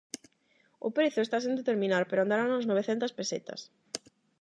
O prezo está sen determinar pero andará nas novecentas pesetas.